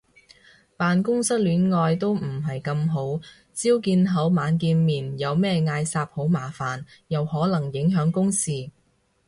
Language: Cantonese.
辦公室戀愛都唔係咁好，朝見口晚見面有咩嗌霎好麻煩，又可能影響公事